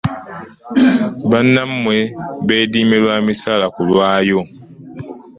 Bannammwe beediimye lwa misaala kulwayo.